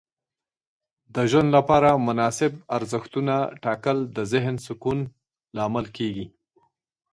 د ژوند لپاره مناسب ارزښتونه ټاکل د ذهن سکون لامل کیږي.